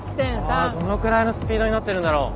ああどのくらいのスピードになってるんだろう。